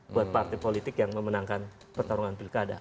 buat partai politik yang memenangkan pertarungan pilkada